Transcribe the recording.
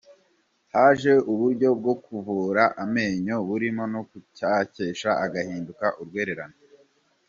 Haje uburyo bwo kuvura amenyo burimo no kuyacyesha agahinduka urwererane.